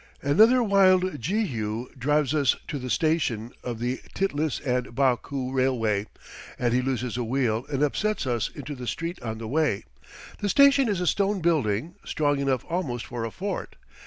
Another wild Jehu drives us to the station of the Tiflis & Baku Railway, and he loses a wheel and upsets us into the street on the way. The station is a stone building, strong enough almost for a fort.